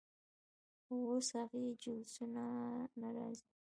خو اوس هغسې جلوسونه نه راځي.